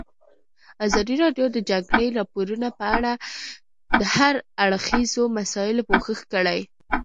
ازادي راډیو د د جګړې راپورونه په اړه د هر اړخیزو مسایلو پوښښ کړی.